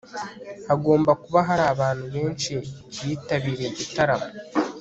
hagomba kuba hari abantu benshi bitabiriye igitaramo